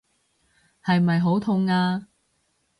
係咪好痛啊？